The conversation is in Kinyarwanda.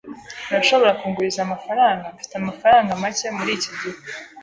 Urashobora kunguriza amafaranga? Mfite amafaranga make muri iki gihe.